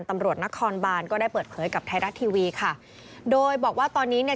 ตำรวจนครบานก็ได้เปิดเผยกับไทยรัฐทีวีค่ะโดยบอกว่าตอนนี้เนี่ย